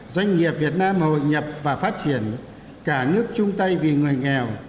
doanh nghiệp việt nam hội nhập và phát triển cả nước chung tay vì người nghèo